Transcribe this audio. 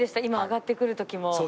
今上がってくるときも。